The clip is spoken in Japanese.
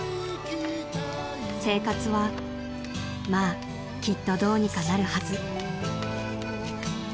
［生活はまあきっとどうにかなるはず］